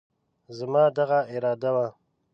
زما دغه اراده وه،